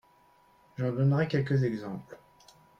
J’en donnerai quelques exemples.